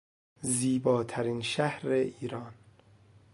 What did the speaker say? زیباترین شهر ایران